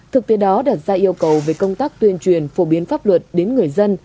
thực tế đó đặt ra yêu cầu về công tác tuyên truyền phổ biến pháp luật đến người dân